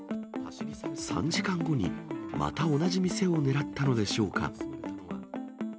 ３時間後にまた同じ店を狙ったのでしょうか。